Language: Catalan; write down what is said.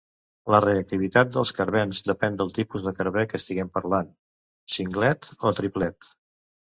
La reactivitat dels carbens depèn del tipus de carbè que estiguem parlant: singlet o triplet.